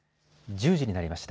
１０時になりました。